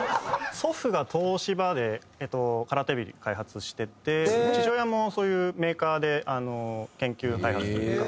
祖父が東芝でえっとカラーテレビ開発してて父親もそういうメーカーで研究開発というか。